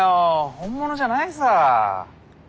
本物じゃないさ。